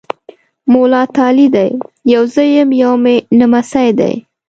مولا تالی دی! يو زه یم، یو مې نمسی دی۔